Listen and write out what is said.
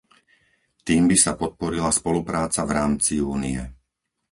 Tým by sa podporila spolupráca v rámci Únie.